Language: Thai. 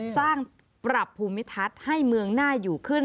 ปรับภูมิทัศน์ให้เมืองน่าอยู่ขึ้น